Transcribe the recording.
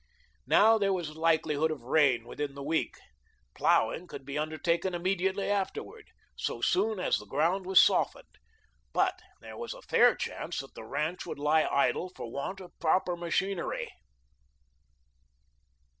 Now there was likelihood of rain within the week. Ploughing could be undertaken immediately afterward, so soon as the ground was softened, but there was a fair chance that the ranch would lie idle for want of proper machinery.